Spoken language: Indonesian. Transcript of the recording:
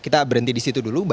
kita berhenti di situ dulu mbak